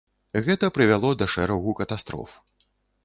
Гэта прывяло да шэрагу катастроф.